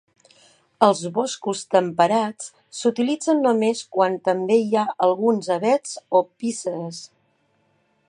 Els boscos temperats s'utilitzen només quan també hi ha alguns avets o pícees.